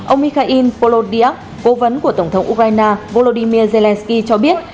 ông mikhail polodiak cố vấn của tổng thống ukraine volodymyr zelensky cho biết